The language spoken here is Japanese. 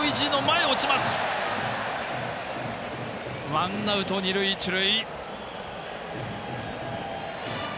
ワンアウト、二塁一塁。